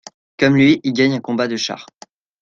Comme lui, il gagne un combat de char.